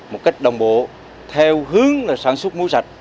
một cách đồng bộ theo hướng là sản xuất muối sạch